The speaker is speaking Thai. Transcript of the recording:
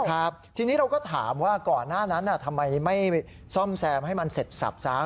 ครับทีนี้เราก็ถามว่าก่อนหน้านั้นทำไมไม่ซ่อมแซมให้มันเสร็จสับซ้าง